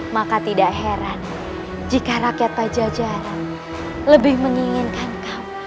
maka tidak heran jika rakyat pajajara lebih menginginkan kau